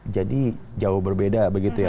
jadi jauh berbeda begitu ya